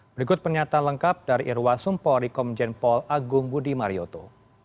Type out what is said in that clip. berikut pernyataan lengkap dari irwa sumpo rekomjen pol agung budi marioto